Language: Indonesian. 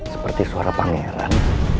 seperti suara pangeran